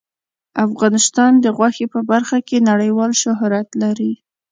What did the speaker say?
افغانستان د غوښې په برخه کې نړیوال شهرت لري.